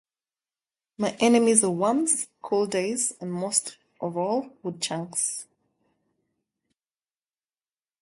My enemies are worms, cool days, and most of all woodchucks.